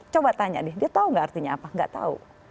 coba tanya deh dia tahu nggak artinya apa nggak tahu